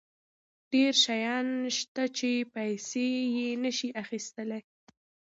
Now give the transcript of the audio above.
ډېر شیان شته چې پیسې یې نشي اخیستلی.